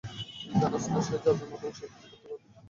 তুই জানস না, সে জাদুর মাধ্যমে সবকিছু করতে পারে।